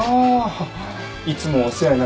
いつもお世話になっております